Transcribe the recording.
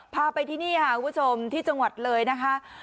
พาไปที่นี่ค่ะคุณผู้ชมที่จังหวัดเลยนะคะ